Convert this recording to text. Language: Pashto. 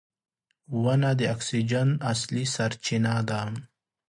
• ونه د اکسیجن اصلي سرچینه ده.